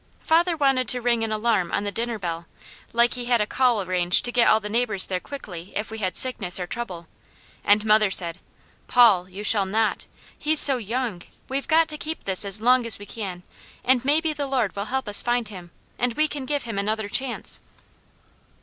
Father wanted to ring an alarm on the dinner bell, like he had a call arranged to get all the neighbours there quickly if we had sickness or trouble, and mother said: "Paul, you shall not! He's so young! We've got to keep this as long as we can, and maybe the Lord will help us find him, and we can give him another chance."